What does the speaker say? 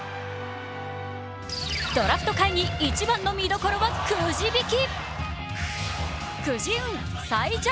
ドラフト会議、一番の見どころはくじ引き。